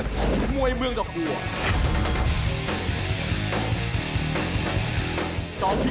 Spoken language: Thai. แสงว่าท่านพี่๑๒๓